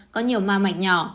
có nhiều ma mạch nhỏ